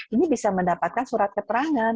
ini bisa mendapatkan surat keterangan